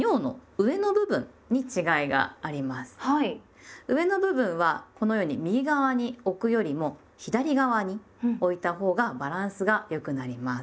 上の部分はこのように右側に置くよりも左側に置いたほうがバランスが良くなります。